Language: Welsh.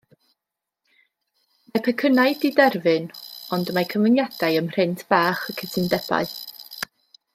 Mae pecynnau diderfyn ond mae cyfyngiadau ym mhrint bach y cytundebau.